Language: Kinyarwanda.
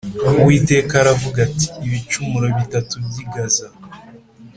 Uwiteka aravuga ati “Ibicumuro bitatu by’i Gaza